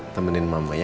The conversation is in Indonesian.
temenin mama ya